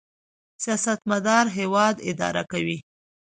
سیاستمدار هیواد اداره کوي